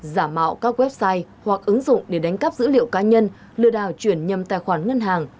giả mạo các website hoặc ứng dụng để đánh cắp dữ liệu cá nhân lừa đảo chuyển nhầm tài khoản ngân hàng